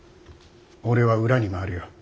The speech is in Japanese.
俺は裏に回るよ。